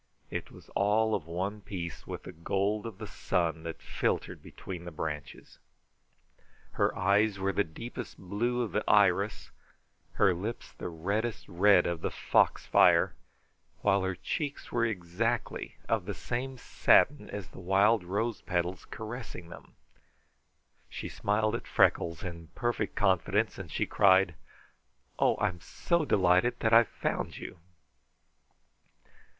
It was all of one piece with the gold of the sun that filtered between the branches. Her eyes were the deepest blue of the iris, her lips the reddest red of the foxfire, while her cheeks were exactly of the same satin as the wild rose petals caressing them. She was smiling at Freckles in perfect confidence, and she cried: "Oh, I'm so delighted that I've found you!"